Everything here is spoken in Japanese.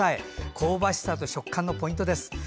香ばしさと食感のポイントです。